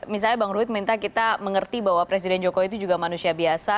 misalnya bang ruid minta kita mengerti bahwa presiden jokowi itu juga manusia biasa